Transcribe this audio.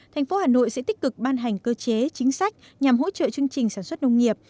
thành phố hà nội sẽ tích cực ban hành cơ chế chính sách nhằm hỗ trợ chương trình sản xuất nông nghiệp